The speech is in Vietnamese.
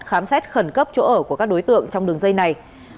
khám xét khẩn cấp chỗ ở của các đối tượng trong đường dây này